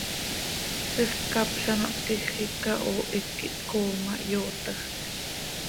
Ziix ccap z ano hptiij, xiica hoohit quih tcooo ma, hyootajc.